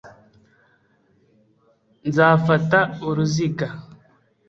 nzafata uruziga